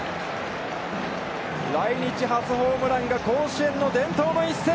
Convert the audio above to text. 来日初ホームランが甲子園の伝統の一戦。